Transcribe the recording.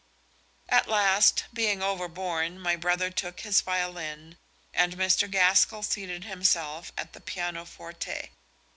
At last, being overborne, my brother took his violin, and Mr. Gaskell seated himself at the pianoforte.